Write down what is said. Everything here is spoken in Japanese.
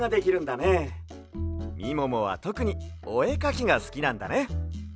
みももはとくにおえかきがすきなんだね。